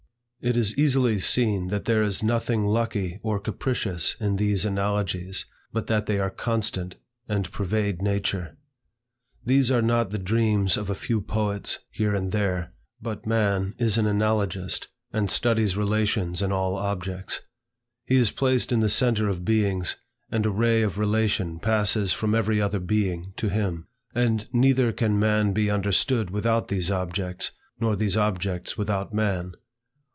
It is easily seen that there is nothing lucky or capricious in these analogies, but that they are constant, and pervade nature. These are not the dreams of a few poets, here and there, but man is an analogist, and studies relations in all objects. He is placed in the centre of beings, and a ray of relation passes from every other being to him. And neither can man be understood without these objects, nor these objects without man.